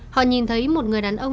họ nhìn thấy một người đàn ông